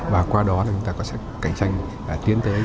và qua đó chúng ta sẽ cạnh tranh tiến tới